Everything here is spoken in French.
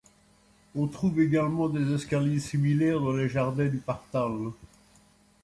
On trouve également des escaliers similaires dans les jardins du Partal.